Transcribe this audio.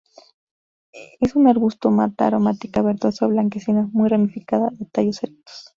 Es un arbusto o mata aromática verdosa o blanquecina, muy ramificada, de tallos erectos.